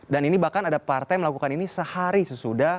dan ini bahkan ada partai yang melakukan ini sehari sesudah